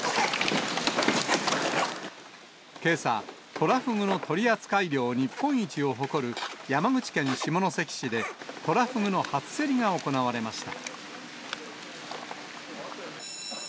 けさ、トラフグの取り扱い量日本一を誇る山口県下関市で、トラフグの初競りが行われました。